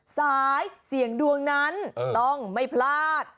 สายเสี่ยงดวงนั้นต้องไม่พลาด